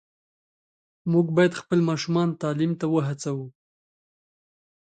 موږ باید خپل ماشومان تعلیم ته وهڅوو.